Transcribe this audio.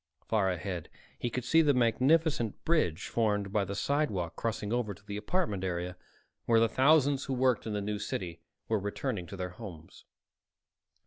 Far ahead he could see the magnificent "bridge" formed by the sidewalk crossing over to the apartment area, where the thousands who worked in the New City were returning to their homes.